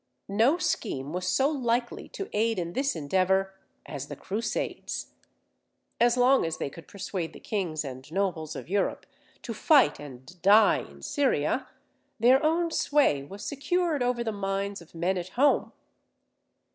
No scheme was so likely to aid in this endeavour as the Crusades. As long as they could persuade the kings and nobles of Europe to fight and die in Syria, their own sway was secured over the minds of men at home.